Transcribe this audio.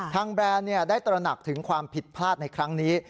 แบรนด์ได้ตระหนักถึงความผิดพลาดในครั้งนี้